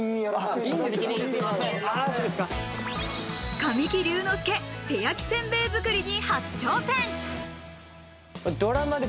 神木隆之介、手焼きせんべい作りに初挑戦。